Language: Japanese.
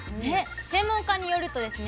専門家によるとですね